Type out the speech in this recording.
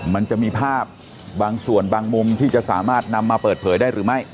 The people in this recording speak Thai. มันจะมีภาพบางส่วนบางมุมที่จะสามารถนำมาเปิดเผยได้หรือไม่